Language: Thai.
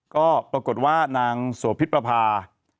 ก็ปรากฏว่านางโสพิษประพา